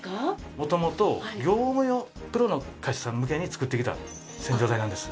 元々業務用プロの会社さん向けに作ってきた洗浄剤なんです。